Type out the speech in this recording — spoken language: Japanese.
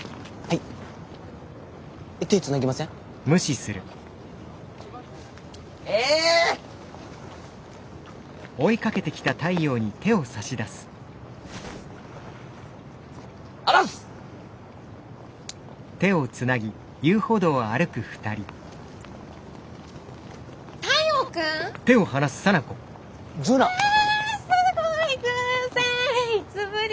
いつぶり？